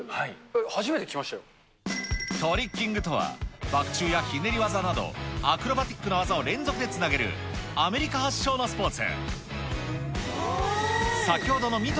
初めて聞きまトリッキングとは、バク宙やひねり技など、アクロバティックな技を連続でつなげるアメリカ発祥のスポーツ。